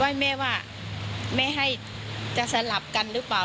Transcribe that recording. ให้แม่ว่าแม่ให้จะสลับกันหรือเปล่า